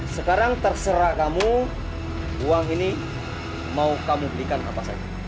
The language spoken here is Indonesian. sekarang terserah kamu uang ini mau kamu belikan apa saja